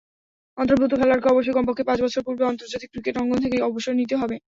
অন্তর্ভুক্ত খেলোয়াড়কে অবশ্যই কমপক্ষে পাঁচ বছর পূর্বে আন্তর্জাতিক ক্রিকেট অঙ্গন থেকে অবসর নিতে হবে।